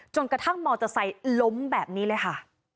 กระทั่งมอเตอร์ไซค์ล้มแบบนี้เลยค่ะ